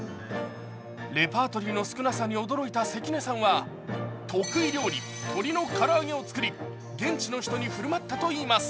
レパートリーの少なさに驚いた関根さんは得意料理、鶏の唐揚げを作り現地の人に振る舞ったといいます。